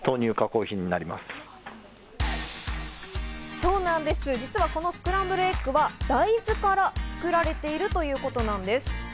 そうなんです、実はこのスクランブルエッグは大豆から作られているということなんです。